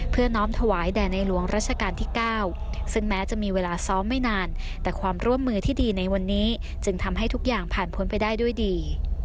น้อมถวายแด่ในหลวงราชการที่๙ซึ่งแม้จะมีเวลาซ้อมไม่นานแต่ความร่วมมือที่ดีในวันนี้จึงทำให้ทุกอย่างผ่านพ้นไปได้ด้วยดี